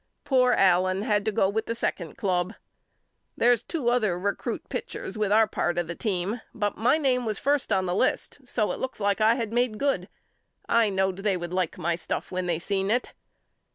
Poor Allen had to go with the second club. There's two other recrut pitchers with our part of the team but my name was first on the list so it looks like I had made good. I knowed they would like my stuff when they seen it.